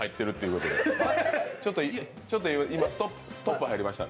ちょっと今ストップ入りました。